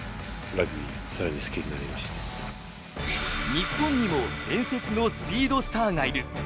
日本にも伝説のスピードスターがいる。